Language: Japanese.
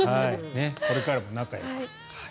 これからも仲よく。